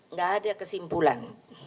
nggak ada kesimpulan